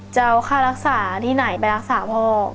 จะเอาค่ารักษาที่ไหนไปรักษาพ่อ